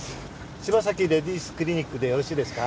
・柴崎レディースクリニックでよろしいですか？